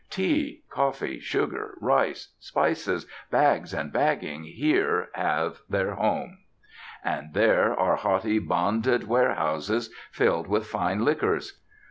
Tea, coffee, sugar, rice, spices, bags and bagging here have their home. And there are haughty bonded warehouses filled with fine liquors.